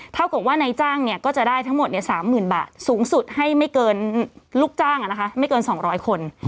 เท่ากับว่านายจ้างก็จะได้ทั้งหมด๓๐๐๐บาทสูงสุดให้ไม่เกินลูกจ้างไม่เกิน๒๐๐คน